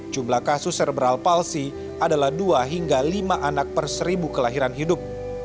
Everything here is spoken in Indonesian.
jumlah kasus serebral palsi adalah dua hingga lima anak per seribu kelahiran hidup